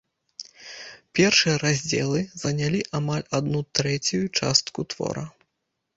Першыя раздзелы занялі амаль адну трэцюю частку твора.